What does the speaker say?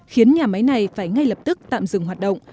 khiến nhà máy này phải ngay lập tức tạm dừng hoạt động